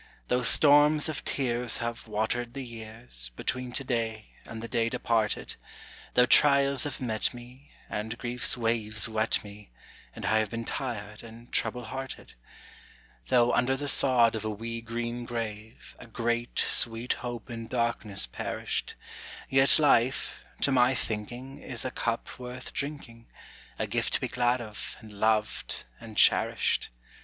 Though storms of tears have watered the years, Between to day and the day departed, Though trials have met me, and grief's waves wet me, And I have been tired and trouble hearted. Though under the sod of a wee green grave, A great, sweet hope in darkness perished, Yet life, to my thinking, is a cup worth drinking, A gift to be glad of, and loved, and cherished.